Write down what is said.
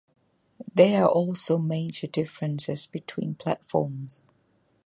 There are also major differences between platforms.